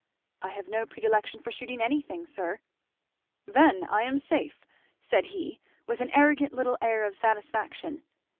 "I have no predilection for shooting anything, sir." "Then I am safe!" said he, with an arrogant little air of satisfaction.